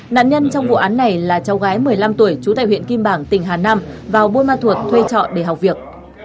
nạn nhân trong vụ án này là cháu gái một mươi năm tuổi trú tại huyện kim bảng tỉnh hà nam vào buôn ma thuột thuê trọ để học việc